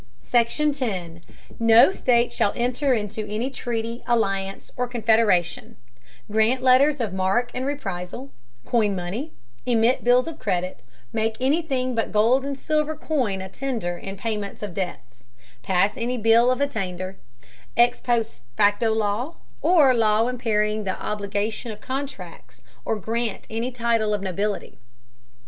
SECTION. 10. No State shall enter into any Treaty, Alliance, or Confederation; grant Letters of Marque and Reprisal; coin Money; emit Bills of Credit; make any Thing but gold and silver Coin a Tender in Payment of Debts; pass any Bill of Attainder, ex post facto Law, or Law impairing the Obligation of Contracts, or grant any Title of Nobility.